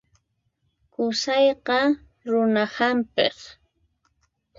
Qusayqa runa hampiq.